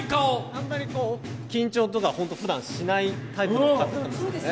あんまり緊張とかふだんしないタイプの方なんでね。